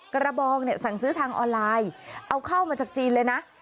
กระบองเนี่ยสั่งซื้อทางออนไลน์เอาเข้ามาจากจีนเลยนะ